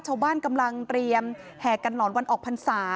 ชาวบ้านกำลังเตรียมแห่กันหลอนวันออกพรรษา